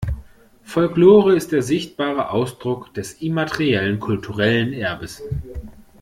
Folklore ist der sichtbare Ausdruck des immateriellen kulturellen Erbes.